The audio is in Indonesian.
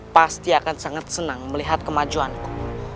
pasti akan sangat senang melihat kemajuanku